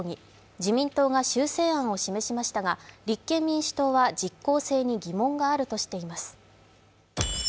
自民党が修正案を示しましたが、立憲民主党は実効性に疑問があるとしています。